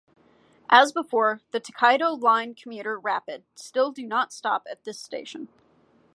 As before, the Tokaido Line commuter rapid still do not stop at this station.